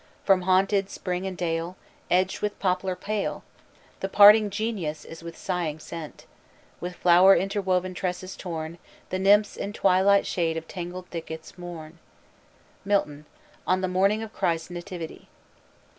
From haunted spring and dale, Edged with poplar pale, The parting genius is with sighing sent. With flower inwoven tresses torn The nymphs in twilight shade of tangled thickets mourn." MILTON: _On the Morning of Christ's Nativity.